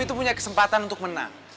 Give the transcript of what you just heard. apapun yang ternyata waktu ini